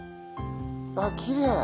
あっきれい。